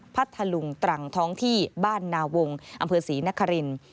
พัทธลุงตรังท้องที่บ้านนาวงอำเภอศรีนคริน